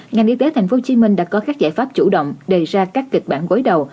ngành y tế tp hcm đã có các giải pháp chủ động đề ra các kịch bản gối đầu